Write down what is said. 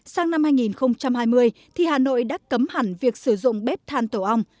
sang năm hai nghìn hai mươi thì hà nội đã cấm hẳn việc sử dụng bếp than tổ ong